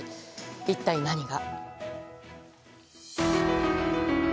一体何が。